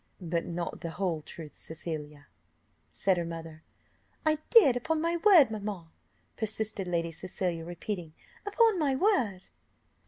"But not the whole truth, Cecilia," said her mother. "I did, upon my word, mamma," persisted Lady Cecilia, repeating "upon my word."